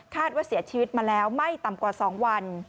ว่าเสียชีวิตมาแล้วไม่ต่ำกว่า๒วัน